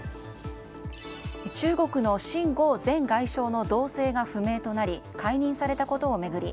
中国のシン・ゴウ前外相の動静が不明となり解任されたことを巡り